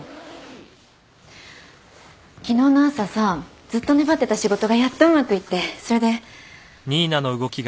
昨日の朝さずっと粘ってた仕事がやっとうまくいってそれで。